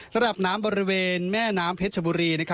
ระดับน้ำบริเวณแม่น้ำเพชรชบุรี